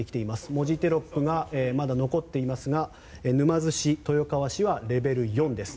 文字テロップがまだ残っていますが沼津市、豊川市はレベル４です。